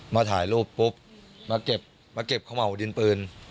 มาถ่ายลูกปุ๊บมาเก็บเข้าเหมาดินปืน